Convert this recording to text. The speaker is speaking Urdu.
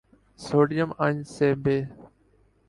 سوڈئیم آئن سے ب